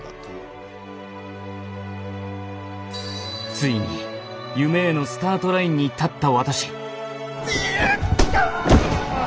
ついに夢へのスタートラインに立った私。